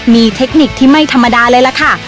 มีเทคนิคที่ไม่ธรรมดาเลยล่ะค่ะ